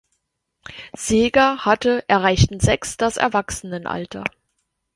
Seeger, hatte, erreichten sechs das Erwachsenenalter.